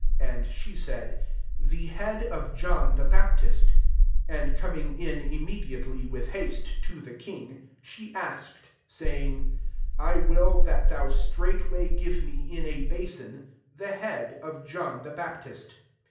And she said, "The bead of John the Baptist." 25 And coming in [immediately] mth haste, to the king, she ask ed, saying, " I will that thou straightway give me, in a basin, \ht head of John the Baptist."